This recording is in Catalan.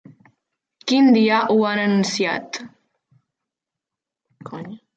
Quin dia ho han anunciat?